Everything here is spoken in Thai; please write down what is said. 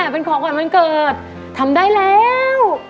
เป็นของขวัญวันเกิดทำได้แล้ว